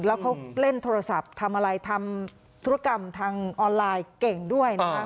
แล้วเขาเล่นโทรศัพท์ทำอะไรทำธุรกรรมทางออนไลน์เก่งด้วยนะครับ